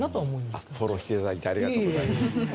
あっフォローして頂いてありがとうございます。